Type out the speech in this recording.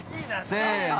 せの。